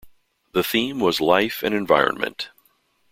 The theme was Life and environment.